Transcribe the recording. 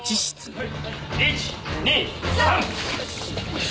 はい。